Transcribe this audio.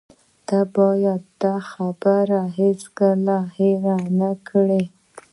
ته باید دا خبره هیڅکله هیره نه کړې